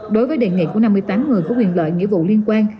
đối với đề nghị của năm mươi tám người có quyền lợi nghĩa vụ liên quan